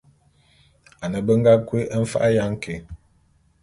Ane be nga kui mfa'a ya nké.